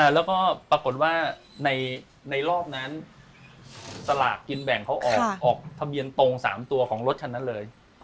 แล้วก็ปรากฏว่าในรอบนั้นสลากกินแบ่งเขาออกทะเบียนตรง๓ตัวของรถคันนั้นเลย